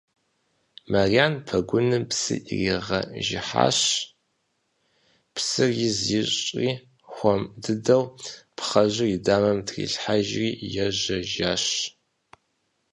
Мэрян пэгуным псы иригъэжыхьащ, псыр из ищӀыжри хуэм дыдэу пхъэхьыр и дамэм трилъхьэжри ежьэжащ.